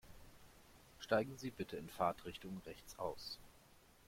Steigen Sie bitte in Fahrtrichtung rechts aus.